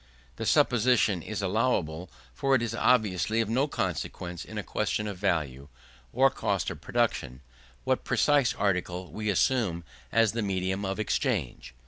This supposition is allowable, for it is obviously of no consequence, in a question of value, or cost of production, what precise article we assume as the medium of exchange.